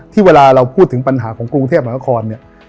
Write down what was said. ที่เวลาเราพูดถึงปัญหาของกรุงเทพฯหลังกะคร